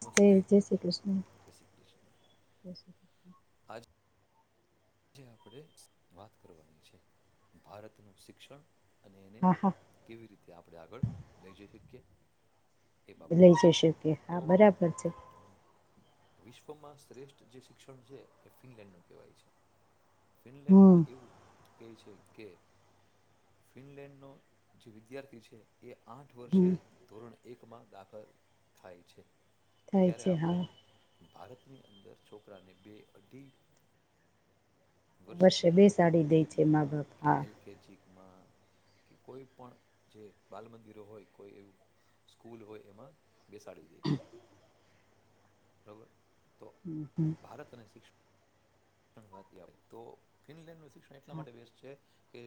નમસ્તે સ્ જય શ્રી કૃષ્ણ, જય શ્રી કૃષ્ણ જ શ્રીૃષ્ણ આજે આપણેે વાત કરવાની છે, ભારતનું શિક્ષણ. હા હા. તે આપણે આગળ લઈ જઈ શકીએ. એ બાબત લઈ જશે કે હા તો બરાબર છે. વિશ્વમાં શ્રેષ્ઠ જે શિક્ષણ છે એ ફિનલેન્ડ ન કેવાય છે. ફિનલેન્ડમાં હમ એવું કે છે કે ફિનલેન્ડ નો જે વિદ્યાર્થી છે. એ આઠ વર્ષે હમ ધોરણે એકમાં દાખલ થાય છે. થાય ત્યારે છે આપણે હા. ભારતની અંદર છોકરાને બે અઢી વર્ષે [unintelligible] બે સાડી દે છે યુકેજી મા માં બાપ કે હા એલકેજી કોઈ પણ જે બાલ મંદિરો હોય કોઈ એવું સ્કૂલ હોય એમાં બેસાડી દે છે. બરોબર. હમ હમ. વા આવે તો ફિનલેન્ડ ન [unintelligible] એટલા હા માટે [inaudible] છે. કે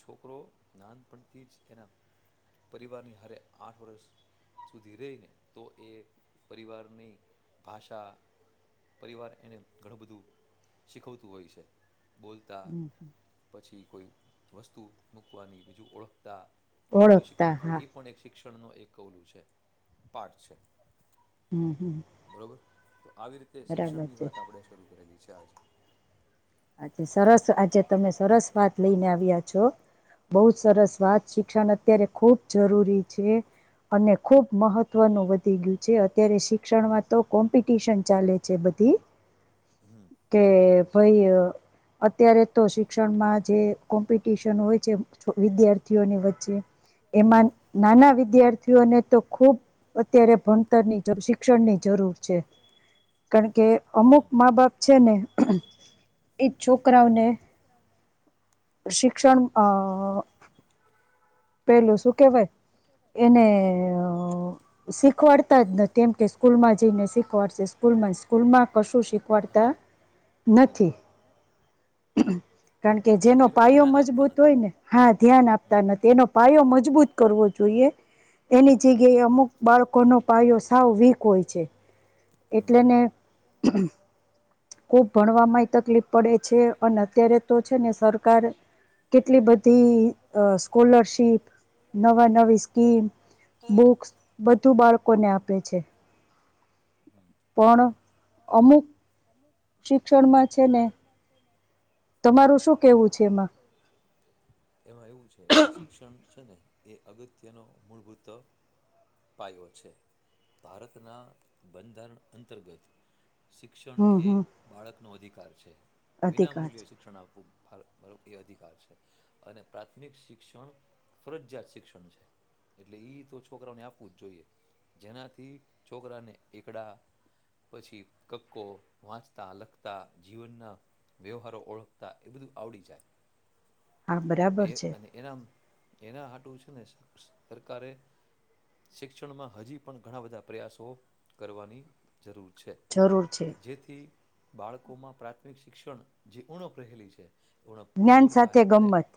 છોકરો નાનપણથી જ એના પરિવારની હારે આઠ વર્ષ સુધી રહી ને તો એ પરિવારની ભાષા પરિવાર એને ઘણું બધું શીખવતું હોય છે. બોલતા, હમ પછી કોઈ વસ્તુ મૂકવાની બીજું ઓળખ તા ઘણું બધું ઓળખતા શીખવતું હા ઈ પણ એક શિક ક્ષણનો એક ઓલુ છે પાર્ટ છે. હમ. હમ બરોબર. તો આવી રીતે બરાબર શિક્ષણની છે વાત આપડે શરૂ કરેલી છે. તાજ આજે સરસ આજે તમે સરસ વાત લઈને આવ્યા છો બહુ સરસ વાત શિક્ષણ અત્યારે ખુબ જરૂરી છે અને ખુબ મહત્વનું વધી ગયું છે. અત્યારે શી ક્ષણમાં તો કોમ્પિટિશન ચાલે છે બધી હમ કે હઈય અત્યારે તો શિક્ષણમાં જે કોમ્પિટિશન હોય છે વિદ્યાર્થીઓની વચ્ચે એમાં નાના વિદ્યાર્થીઓને તો ખુબ અત્યારે ભણતરની શિક્ષણની જરૂર છે. કારણ કે અમુક મા બાપ છે ને ચુપ કરાઓને શિક્ષણ અ પહેલું શું કેવાય એને અ શીખવાડતા જ નથી એમ કે સ્કૂલમાં જઈને શીખવાડશે સ્કૂલમાં સ્કૂલમાં કશું શીખવાડતા હા નથી. કારણ કે એટલે જેમાં એ લોકો પાયો ધ્યાન આપતા મજબૂત નથી હોય ને હા ધ્યાન આપતા ન તેનો પાયો મજબૂત કરવો જોઈએ એની જોઈએ હમ જગ્યાએ અમુક બાળકોનો પાયો સાવ વીક હોય છે. હમ એટલેને ખુબ ભણવામાંય તકલીફ પડે છે. અને અત્યારે તો છે ને સરકાર કેટલી બધી અ સ્કોલરશીપ નવા નવી સ્કીમ બુક્સ બધું બાળકોને આપે છે. હમ પણ અમુક સુક તમારું શું કેવું છે એમાં એમાં એવું છે કે શિક્ષણ છે ને એ અગત્યનો મૂળભૂત પાયો છે. ભારતના બંધારણ અંતર્ગત શિક્ષણ હમ એ હમ બાળકનો અધિકાર છે વિના અધિકાર મૂલ્યે છે શિક્ષણ આપવું [unintelligible] એ અધિકાર છે અને પ્રાથમિક શિક્ષણ ફરજિયાત શિક્ષણ છે. એટલે ઈ તો છોકરાને આપવું જ જોઈએ જેનાથી છોકરાને એકડા પછી કકો વાંચ તા લખતા, જીવનના વ્યવહારો ઓળખતા એ બધું આવડી જાય. હા એ બરાબર છે અને એનામ એના હાટું શું સરકારે શિક્ષણમાં હજી પણ ઘણા બધા પ્રયાસો કરવાની જરૂર છે. જરૂર છે જેથી બાળકોમાં પ્રાથમિક શિક્ષણ જેઉણ પહેલી છે. ઉણપ જ્ઞાન દૂર થાય સાથે અને ગમ્મત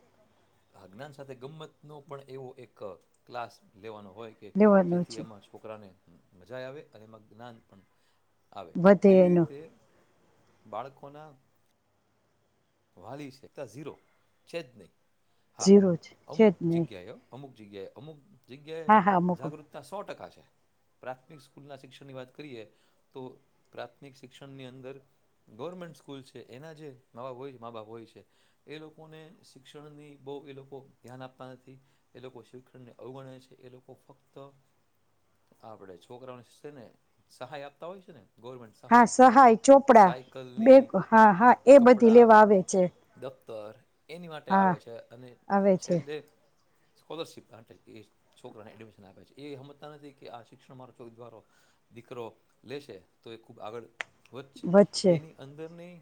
આ જ્ઞાન સાથે ગમ્મત નો પણ એવો એક ક્લાસ લેવાનો હોય કે લેવાનું જેથી છે એમાં છોકરાને અમ્મ‌ મજા આવે અને એમાં જ્ઞાન પણ આવે. વધે એવી એનો રીતે બાળકોના વાલી શે તા ઝીરો છે જ નહીં હા ઝીરો જ છે જ અમુક નહીં જગ્યા હ અમુક જગ્યાએ અમુક જગ્યાએ હા હા મૂકો જાગૃતતા સો ટકા છે પ્રાથમિક સ્કૂલના શિક્ષણની વાત કરીએ તો પ્રાથમિક શિક્ષણની અંદર ગવર્મેન્ટ સ્કૂલ છે, એના જે નવા હોય મા બાપ હોય છે એ લોકોને શિક્ષણની બઉ એ લોકો ધ્યાન આપતા નથી એ લોકો શિક્ષણને અવગણ છે. એ લોકો ફક્ત આપણે છોકરાઓને છે ને સહાય આપતા હોય છે ને હા, સહાય ચોપડા, બેક, સાયકલની હા, હાએ બધી લેવા આવે. છે તર એની માટે હા આવે છે અને આવે છે છેલ્લે સ્કોલરશીપ માટે છોકરાને એડમિશન આપે છે એ હમજતા નથી કે આ શિક્ષણ માટે [unintelligible] દીકરો લેશે તો એ ખુબ આગળ વધશે એની અંદરની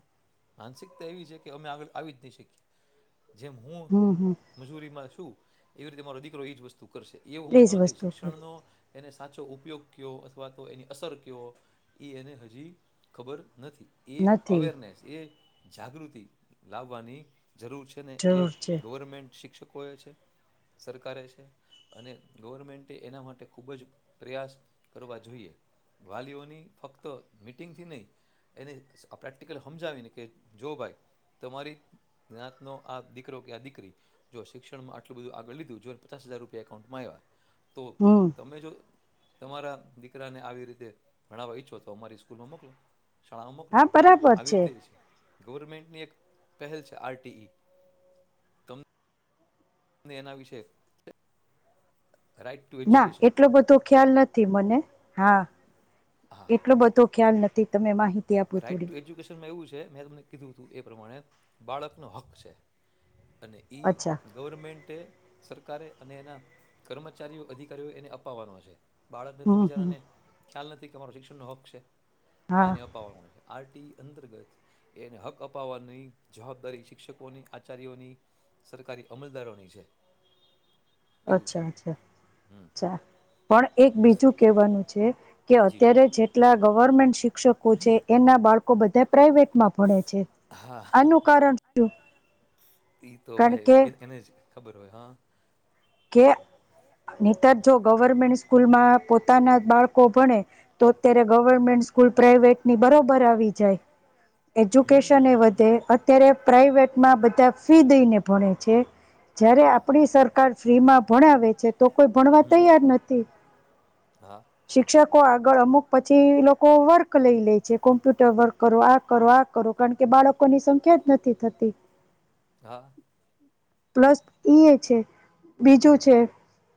માનસિક ત એવી છે કે અમે આગળ આવી જ નહી શીકીએ જેમ હું હમ હમ મજૂરીમાં છું. ટુ એવી રીતે તમારો એજ વસ તું કરશે એવું એજ હઉમજતો નથી વસ્તુ પર શિક્ષણ નો એને સાચો ઉપયોગ કેઓ અથવા તો એની અસર કહો એ એને હજી ખબર નથી. એ નથી અવેરનેસ એ જાગૃતિ લાવવાની જરૂર છે ને એ જરૂર છે ગવર્મેન્ટ શિક્ષકોએ છે, સરકારે છે અને ગવર્મેન્ટે એના માટે ખૂબ જ પ્રયાસ કરવા જોઈએ વાલીઓની ફક્ત મીટિંગથી નહીં એને પ્રેક્ટિકલ હમજાવીને કે જો ભાઈ તમારી જ્ઞત ન આ દીકરો કે આ દીકરી જો શિક્ષણમાં આટલું બધું આગળ લીધું જોને પચાસ હજાર રૂપિયા એકાઉન્ટમાં આવ્યા તો હમ તમે જો તમારા દીકરાને આવી રીતે ભણાવવા ઈચ્છો મારી સ્કૂલમાં મોકલો. શાળામાં મોકલો હા બરાબર આવી છે રીતે જ ગવર્મેન્ટની એક પહેલ છે આર ટી ઈ તમ એના વિશે રાઈટ ટુ ના એજ્યુકેશન એટલો બધો ખ્યાલ નથી મને હા હા એટલો બધો ખ્યાલ નથી. તમે માહિતી આપો થોડી. કે મે તમને કીધું હતું એ પ્રમાણે બાળકનો હક છે. અને ઈ અચ્છા ગવર્મેન્ટ માટે સરકારે અને એના કર્મચારીઓ અધિકારીઓ એને અપાવવાનો છે. બાળકને તું હમ હમ બિચારાને. ખ્યાલ નથી કે મારો શિક્ષણનો હક છે. આ હા એને અપાવામાં મ આર ટી અંતર્ગત એને હક અપાવવાની જવાબદારી શિક્ષકોની આચાર્યોની સરકારી અમલદારોની છે. એવું અચ્છા છે અચ્છા હમ ચા પણ એક બીજું કેવાનું છે કે જી છે અત્યારે જેટલા ગવર્મેન્ટ શિક ક્ષકો છે એના બાળકો બધા પ્રાઈવેટમાં ભણે છે હા આનું કારણ ઈ તો [unintelligible] કારણ ભાઈ કે એ- એને જ ખબર હોય હા. કે તર જો ગવર્મેન્ટ સ્કૂલમાં પોતાના બાળકો ભણે તો અત્યારે ગવર્મેન્ટ સ્કૂલ પ્રાાઈવેટની બરોબર આવી જાય. એજ્યુકેશન એ વધે અત્યારે પ્રાઈવેટમાં બધા ફી દઈને ભણે છે. જ્યારે હા. આપણી સરકાર ફ્રી માં ભણાવે છે, તો કોઈ ભણવા હમ. તૈયાર નથી હા શિક્ષકો આગળ અમુક પછી લોકો વર્ક લઈ લે છે, કોમ્પ્યુટર વર્ક કરો આ કરો આ કરો કારણ કે, બાળકોની સંખ્યા જ નથી થતી હા પ્લસ ઈ છે. બીજું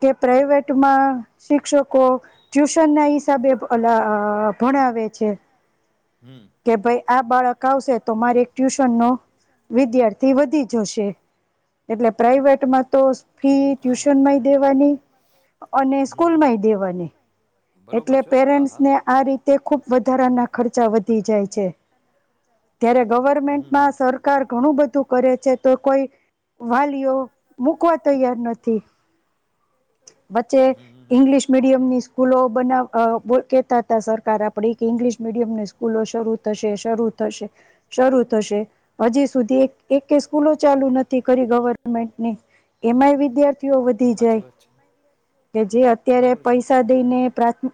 છે. કે પ્રાાઈવેટમાં શિક્ષકો ટ્યુશન ના હિસાબે ભણાવે છે, હમ. કે ભાઈ આ બાળક આવશે તો મારે ટ્યુશન નો વિદ્યાર્થી વધી જશે. એટલે પ્રાઈવેટમાં તો ફી ટ્યુશનમાં દેવાની અને સ્કૂલ માંય દેવાની એટલે, પેરેન્ટ્સને આ રીતે ખુબ વધારાના ખર્ચા વધી જાય છે. ત્યારે હમ ગવર્મેન્ટમાં હમ સરકાર ઘણું બધું કરે છે. તો કોઈ વાલીઓ મુકવા તૈયાર નથી. વચ્ચે હમ હમ. ઈંગ્લિશ મીડિયમ ની સ્કૂલો બનાવ કેતા હતા. સરકાર આપડી કે ઈંગ્લિશ મીડિયમની સ્કૂલો શરૂ થશે, શરૂ થશે, શરૂ થશે હજી સુધી એક સ્કૂલો ચાલુ નથી કરી. ગવર્મેન્ટ ની એમાંય વિદ્યાર્થીઓ વધી જાય એમાંય કે જે અત્યારે બરોબર છે. પૈસા દઈને પ્રાથ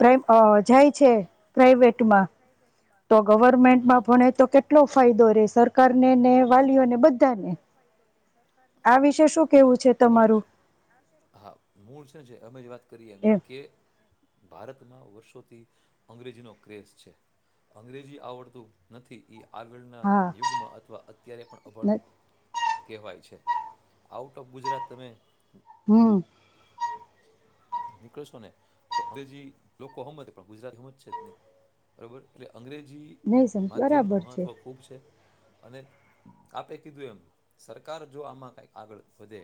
પ્ર જાય છે પ્રાઈવેટમાં. તો ગવર્મેન્ટમાં એટલે ભણે તો કેટલો ફાયદો રે સરકાર ને ને વાલીઓને બધા શું કેવું છે તમારું હા મૂળ છે. જે અમે વાત કરીએ એમ કે ભારતમાં વર્ષોથી અંગ્રેજી નો ક્રેઝ છે. અંગ્રેજી આવડતું નથી એ આગળના હા યુગમાં અથવા અત્યારે પણ અભણ કેવાય છે. આઉટ ઓફ ગુજરાત તમે હમ. નીકળશો ને તો અંગ્રેજી લોકો સમમજ પણ ગુજરાતી સમમજશે જ નહી. બરોબર એટલે અંગ્રેજી નહી સમજ માધ્યમનું બરાબર મહત્ત્વ ખૂબ છે. અને આપે કીધું એમ સરકાર જો. આમાં કઈ આગળ વધે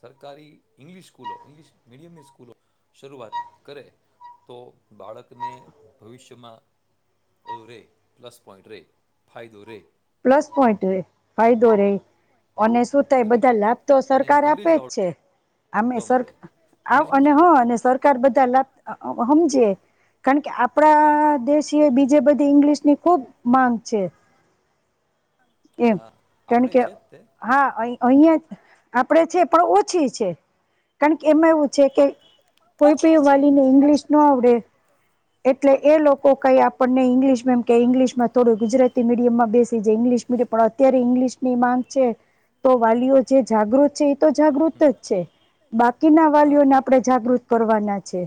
સરકારી ઇંગલિશ સ્કૂલો ઇંગ્લિશ મીડિયમની સ્કૂલો શરૂઆત કરે, તો બાળકને ભવિષ્યમાં ઓધું રહે. પ્લસ પોઈન્ટ રહે ફાયદો રહે. પ્લસ પોઈન્ટ ફાઈ દોરે અને શું થાય રે બધા લાભ તો અને એને સરકાર આપે અંગ્રેજી જ છે. અમે આવડવા સર માંડે આવ અને સમજે હ અને સરકાર બધા લાભ સમજ કારણ કે હમ આપડા દેશ બીજે બધી ઇંગ્લિશ ની ખુબ માંગ છે. એમ હા કારણ આપડે કે છે જ તે હા અહિયાં જ આપણેે છે પણ ઓછી છે. કારણ કે એમાં એવું છે કે કોઈ પી ણી વાલીને ઈંગ્લિશ ન આવડે. એટલે એ લોકો કઈ આપણને ઇંગ્લિશ મેમ કે. ઇંગ્લિશ થોડું ગુજરાતી મીડિયમાં બેસી જા. [unintelligible] પણ અત્યારે ઇંગ્લિશ ની માંગ છે તો વાલીઓ જે જાગૃત છે એ તો જાગૃત જ છે બાકીના પણ વાલીઓને આપણે જાગૃત કરવાના છે.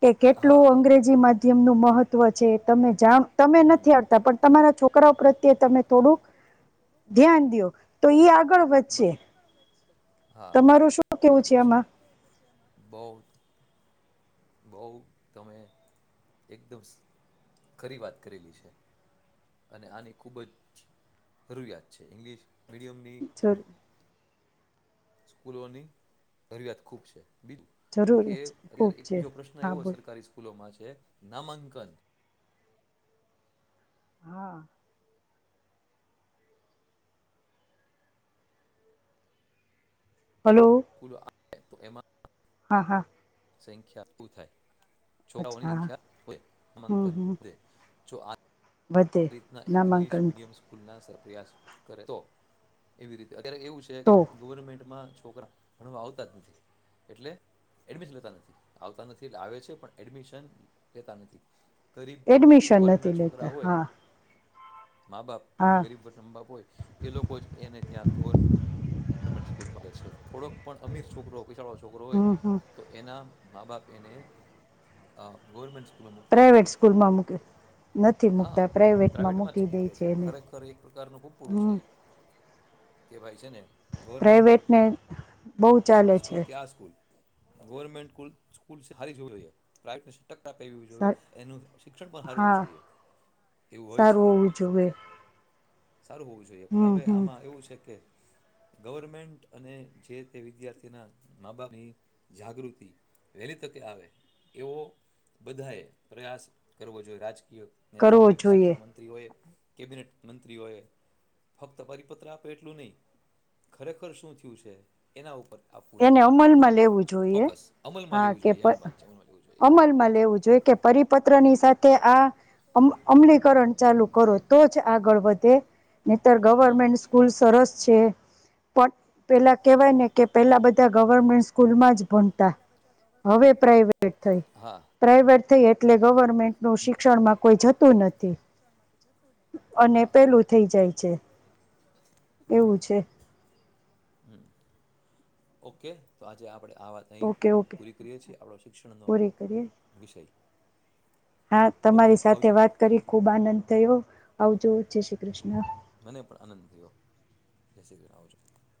કે કેટલું હા અંગ્રે જી માધ્યમ નું મહત્વ છે. તમે જાણ તમે નથી આવડતા પણ તમારા છોકરાઓ પ્રત્યે તમે થોડુંક ધ્યાન દિયો તો એ આગળ વધશે અચ્છા તમારું શું કેવું છે આમાં બઉ, બહ, તમે એકદમ ખરી વાત કરેલી છે અને આની ખુબ જ જરૂરિયાત છે ઇંગ્લિશ મીડિમની સ્કૂલોની જરિયાત ખૂબ છે બીજ કે જરૂરી છે ખૂબ અત્યારે એક છે બીજો પ્રશ્ન હા એવો બોલ સરકારી સ્કૂલોમાં છે છે નામાંકન હા હલો સ્કૂલો તો એમાં હા, હા સંખ્યા ફુલ થાય છો અચ્છા હા સંખ્યા હો હમ હમ માંકનય જો આ વધે આ રીતના ઇંગ્લિશ નામાંકન મીડિયમ સ્કૂલના સર પ્રયાસ કરે તો એવી રીતે એવું છે કે તો ગવર્મેન્ટમાં છકરાણ ભળવા આવતા જ નથી, એટલે એડમિશન લેતા નથી, આવતા નથી એટલે આવે છે પણ એડમિશન લેતા નથી ગરીબ એડમિશન વર્ગના નથી છોકરા લેતા હોય હા મા બાપ હા ગરીબ વર્તમ બાપ હોય એ લોકો જ એને ત્યાં ગોર ગવર્મેન્ટ સ્કૂલમાં છે થોડોક પણ અમીર છોકરો પિસાડો છે છોકરો હોય હમ હમ તો એના મા બાપ એને અ ગવર્મેન્ટ નથી પ્રાઇવેટ સ્કૂલમાં મૂકે નથી હા મૂકતા પ્રાઇવેટમાં પ્રવેટ મૂકી દે મકે છે એને ખરેખર એક પ્રકારનું ખૂડું છે હમ કે ભાઈ છે ને ગવર્મેન્ટ પ્રઇવેટને બહુ ચાલે છે સ્કૂલ કે આ સ્કૂલ ગવર્મેન્ટ કૂલ સ્કૂલ હારી જ હોય હવે પ્રાઇવેટ ટક પ જોઈએ એનું શિક્ષણ પણ હારુ હોવું હા જોઈએ એવું હોય સારું છે હોવું જોઈએ સારું હોવું જોઈએ પણ હમ હવે હમ આમાં એવું છે કે ગવર્મેન્ટ અને જે તે વિદ્યાર્થીના મા બાપની જાગૃતિ વહેલી તકે આવે એવો બધા એ પ્રયાસ કરવો જોઈએ રાજકી નેતા કરવો હોય, જોઈએ શિક્ષણ મંત્રી, હોય કેબિનેટ મંત્રીઓ એ ફક્ત પરિપત્ર આપે એટલું નહી ખરેખર શું થયું છે એના ઉપર. આપવું એને જોઈએ અમલમાં લેવું જોઈએ, ફોકસ અમલમાં હા લેવું કે જોઈએ એમ વાત છે અમલમાં લેવું જોઈએ અમલમાં લેવું જોઈ કે પરિપત્ર ની સાથે કે આ, અમલીકરણ ચાલુ કરો તો જ આગળ વધે, નતર ગવર્મેન્ટ સ્કૂલ સરસ છે. પ પેલા કેવાય ને કે પેલા બધા ગવર્મેન્ટ સ્કૂલમાં જ ભણતા, હવે પ્રાાઈવેટ થઈ, હા પ્રાાઈવેટ થઈ એટલે ગવર્મેન્ટ ન શિક્ષણમાં કોઈ જતું નથી, અને હા પેલું થઈ જાય છે હમ એવું છે. ઓકે તો આજે આપડે આ વાત અહીં ઓકે ઓકે પૂરી કરીએ છીએ આપણો શિક્ષણનો પૂરી કરીએ વિષય. હા ઓકે તમારી સાથે આવજો વાત કરી ખુબ આનંદ થયો, આવજો જય શ્રી કૃષ્ણ. જેસી ગ આવજો. [unintelligible]